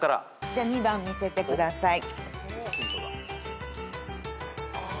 じゃあ２番見せてください。